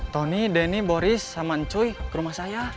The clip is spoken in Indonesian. tony denny boris sama encuy ke rumah saya